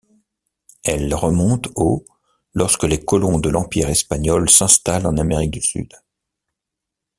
Elles remontent au lorsque les colons de l'Empire espagnol s'installent en Amérique du Sud.